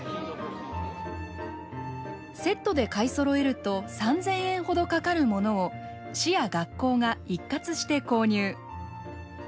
セットで買いそろえると３，０００円ほどかかるものを市や学校が一括して購入。